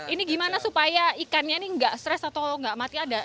ini gimana supaya ikannya ini nggak stres atau nggak mati ada